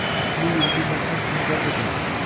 Bu yilgi mehnat kunidan edi.